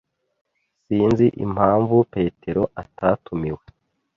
Sinzi impamvu petero atatumiwe.